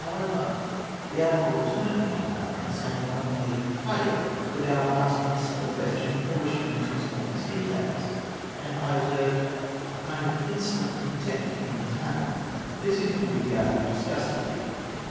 However, the admiral returned my plan, saying only [Greek: kalo], without asking a single question, or wishing me to explain its details; and I observed a kind of insolent contempt in his manner. This interview with the admiral disgusted me.